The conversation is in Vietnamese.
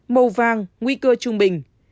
màu vàng nguy cơ trung bình